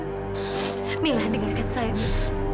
camilla dengarkan saya camilla